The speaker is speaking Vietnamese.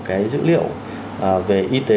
cái dữ liệu về y tế